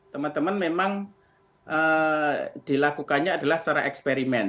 teman teman memang dilakukannya adalah secara eksperimen